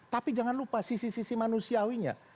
tapi jangan lupa sisi sisi manusiawinya